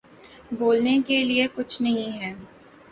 بولنے کے لیے کچھ نہیں ہے